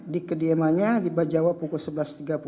di kediamannya di bajawa pukul sebelas tiga puluh